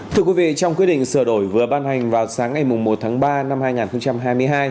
thưa quý vị trong quyết định sửa đổi vừa ban hành vào sáng ngày một tháng ba năm hai nghìn hai mươi hai